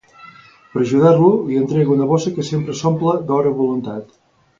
Per ajudar-lo, li entrega una bossa que sempre s'omple d'or a voluntat.